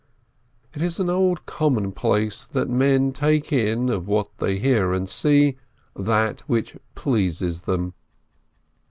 It is an old commonplace that men take in, of what they hear and see, that which pleases them.